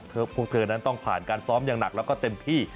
พวกเธอนั้นต้องผ่านการซ้อมอย่างหนักแล้วก็เต็มที่